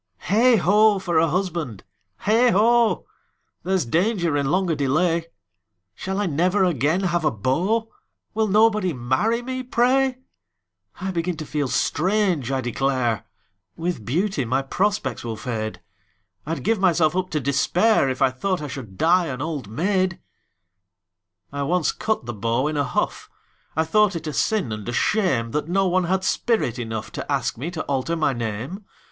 Heigh ho! for a husband! Heigh ho! There's danger in longer delay! Shall I never again have a beau? Will nobody marry me, pray! I begin to feel strange, I declare! With beauty my prospects will fade I'd give myself up to despair If I thought I should die an old maid! I once cut the beaux in a huff I thought it a sin and a shame That no one had spirit enough To ask me to alter my name.